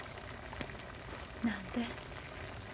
何で？